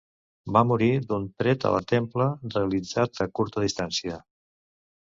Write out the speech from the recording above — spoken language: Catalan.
Va morir d'un tret a la templa realitzat a curta distància.